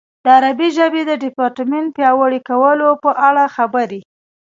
د عربي ژبې د ډیپارټمنټ پیاوړي کولو په اړه خبرې.